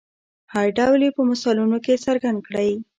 هر ډول یې په مثالونو کې څرګند کړئ.